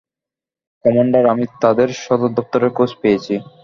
Commander, আমি তাদের সদর দপ্তরের খোঁজ পেয়েছি।